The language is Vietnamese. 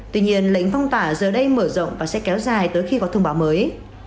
tuy nhiên lệnh phong tỏa giờ đây mở rộng và sẽ kéo dài tới khi có thông báo mới